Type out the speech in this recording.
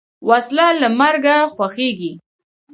وسله له مرګه خوښیږي